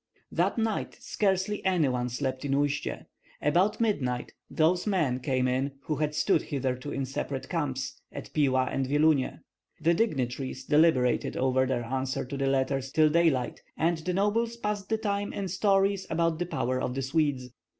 That night scarcely any one slept in Uistsie. About midnight those men came in who had stood hitherto in separate camps, at Pila and Vyelunie. The dignitaries deliberated over their answer to the letters till daylight, and the nobles passed the time in stories about the power of the Swedes.